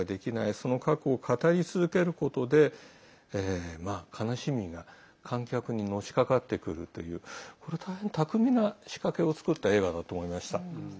その過去を語り続けることで悲しみが観客にのしかかってくるというこれは大変巧みな仕掛けを作った映画だと思いました。